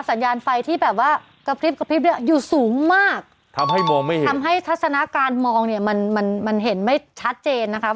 สัญญาณไฟที่แบบว่ากระพริบกระพริบเนี่ยอยู่สูงมากทำให้มองไม่เห็นทำให้ทัศนาการมองเนี่ยมันมันเห็นไม่ชัดเจนนะคะ